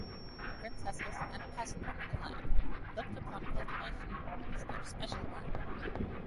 Princesses and peasant women alike looked upon cultivation as their special work.